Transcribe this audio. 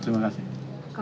orang kepercayaan pak tobari